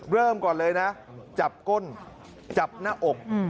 เริ่มก่อนเลยนะจับก้นจับหน้าอก